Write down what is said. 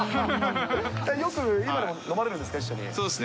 よく、今も飲まれるんですか？